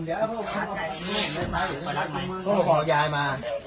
เดี๋ยวก็ไม่ปิดนี้เดี๋ยวก็ล่วงอีกอย่าง